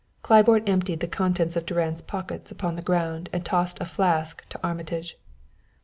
Claiborne emptied the contents of Durand's pockets upon the ground and tossed a flask to Armitage.